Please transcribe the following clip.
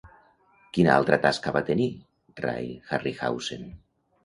Quina altra tasca va tenir Ray Harryhausen?